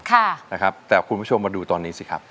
แต่คุณผู้ชมมาดูตอนนี้สิครับ